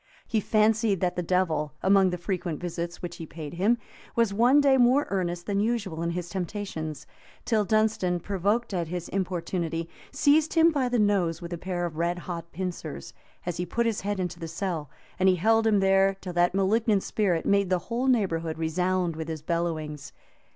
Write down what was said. He fancied that the devil, among the frequent visits which he paid him, was one day more earnest than usual in his temptations, till Dunstan, provoked at his importunity, seized him by the nose with a pair of red hot pincers, as he put his head into the cell; and he held him there till that malignant spirit made the whole neighborhood resound with his bellowings.